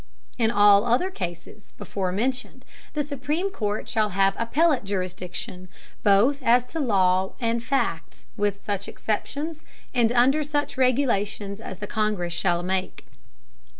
In all the other Cases before mentioned, the supreme Court shall have appellate Jurisdiction, both as to Law and Fact, with such Exceptions, and under such regulations as the Congress shall make.